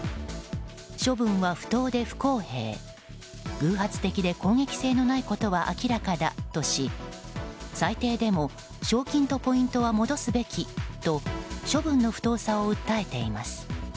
処分は不当で不公平偶発的で攻撃性のないことは明らかだとし最低でも賞金とポイントは戻すべきと処分の不当さを訴えています。